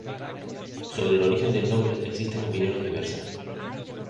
Sobre el origen del nombre existen opiniones diversas.